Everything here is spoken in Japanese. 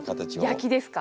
焼きですか？